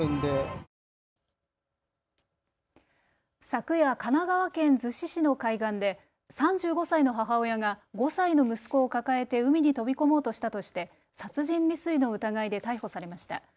昨夜、神奈川県逗子市の海岸で３５歳の母親が５歳の息子を抱えて海に飛び込もうとしたとして殺人未遂の疑いで逮捕されました。